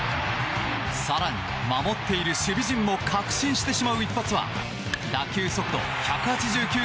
更に、守っている守備陣も確信してしまう１発は打球速度１８９．９ｋｍ